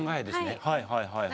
はいはいはいはい。